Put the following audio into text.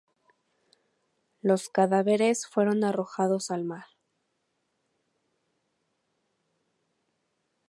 Los cadáveres fueron arrojados al mar.